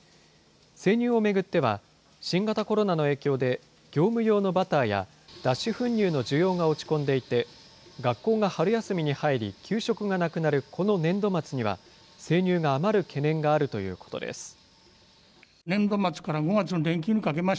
生乳を巡っては、新型コロナの影響で業務用のバターや、脱脂粉乳の需要が落ち込んでいて、学校が春休みに入り給食がなくなるこの年度末には、生乳が余る懸念があるということです。